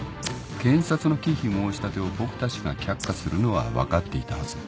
検察の忌避申し立てを僕たちが却下するのは分かっていたはず。